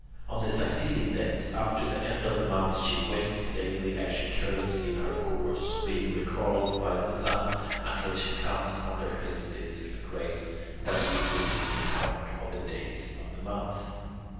On the succeeding days, up to the end of the month, she wanes daily as she turns in her course, being recalled by the sun until she comes under his disc and rays, thus completing the count of the days of the month.